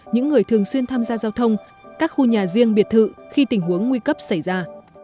những người thường xuyên tham gia giao thông các khu nhà riêng biệt thự khi tình huống nguy cấp xảy ra